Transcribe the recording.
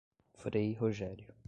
Frei Rogério